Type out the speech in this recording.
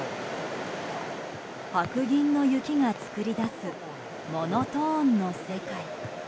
白銀の雪が作り出すモノトーンの世界。